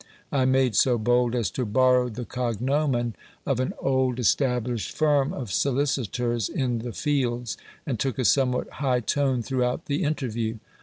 I made so bold as to borrow the cognomen of an old established firm of solicitors in the Fields, and took a somewhat high tone throughout the interview.